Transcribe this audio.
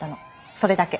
それだけ。